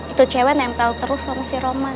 itu cewek nempel terus sama si roman